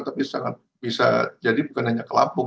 tapi sangat bisa jadi bukan hanya ke lampung